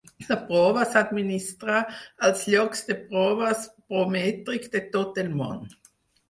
La prova s'administra als llocs de proves Prometric de tot el món.